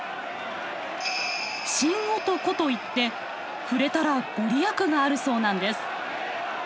神男といって触れたら御利益があるそうなんです。